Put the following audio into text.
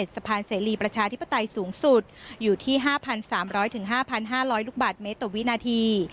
สะพานเสรีประชาธิปไตยสูงสุดอยู่ที่๕๓๐๐๕๕๐๐ลูกบาทเมตรต่อวินาที